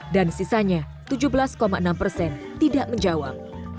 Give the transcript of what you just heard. dan sisanya tujuh belas enam persen tidak menjawab